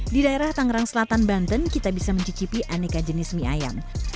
di daerah tangerang selatan banten kita bisa mencicipi aneka jenis mie ayam